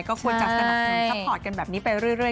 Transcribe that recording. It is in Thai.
ก็ควรจะสนับสนุนซัพพอร์ตกันแบบนี้ไปเรื่อย